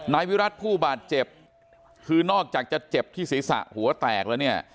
นายวิรัติผู้บาดเจ็บคือนอกจากจะเจ็บที่ศีรษะหัวแตกแล้วเนี่ย